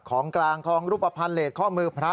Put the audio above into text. ของกลางทองรูปภัณฑ์เลสข้อมือพระ